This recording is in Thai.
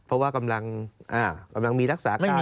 เพราะว่ากำลังมีรักษาการ